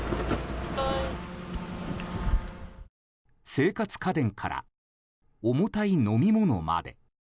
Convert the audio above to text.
生活家電から重たい飲み物まで